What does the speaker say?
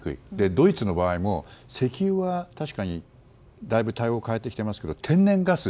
ドイツの場合も、石油は大分、対応を変えてきていますけど天然ガス